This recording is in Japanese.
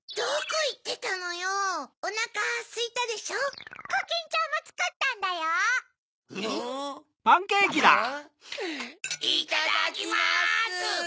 いっただきます！